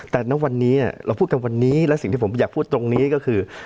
แต่ณวันนี้เราพูดกันวันนี้และสิ่งที่ผมอยากพูดตรงนี้ก็คือ